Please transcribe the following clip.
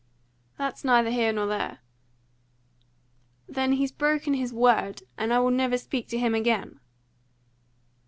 "That's neither here nor there." "Then he's broken his word, and I will never speak to him again!"